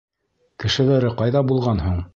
Кешеләре ҡайҙа булған һуң?